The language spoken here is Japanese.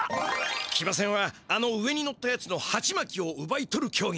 きばせんはあの上に乗ったやつのハチマキをうばい取るきょうぎ。